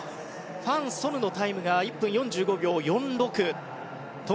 ファン・ソヌのタイムが１分４５秒４６。